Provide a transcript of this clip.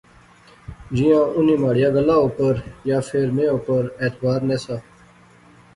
جیاں انیں مہاڑیا گلاہ اپر یا فیر میں اپر اعتبارنہسا